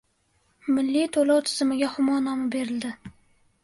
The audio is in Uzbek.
Milliy to‘lov tizimiga «Humo» nomi berildi